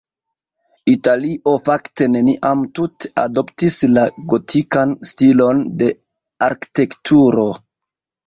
Italio fakte neniam tute adoptis la gotikan stilon de arkitekturo.